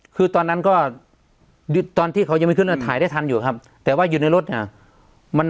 คือตอนนั้นก็ตอนที่เขายังไม่ขึ้นถ่ายได้ทันอยู่ครับแต่ว่าอยู่ในรถเนี่ย